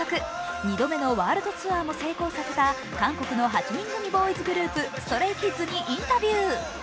２度目のワールドツアーも成功させた韓国の８人組ボーイズグループＳｔｒａｙＫｉｄｓにインタビュー。